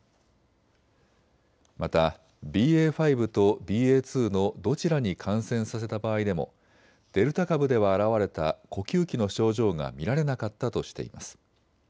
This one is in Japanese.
またＢＡ．５とＢＡ．２のどちらに感染させた場合でもデルタ株では現れた呼吸器の症状が見られなかったとしています。